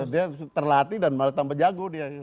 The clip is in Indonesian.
dia terlatih dan malah tambah jago dia